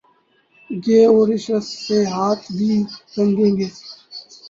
گے اور رشوت سے ہاتھ بھی رنگیں گے۔